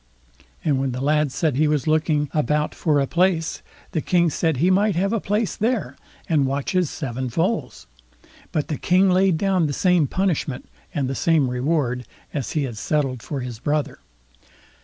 and when the lad said he was looking about for a place, the King said he might have a place there, and watch his seven foals. But the king laid down the same punishment, and the same reward, as he had settled for his brother.